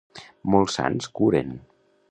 Molts sants curen.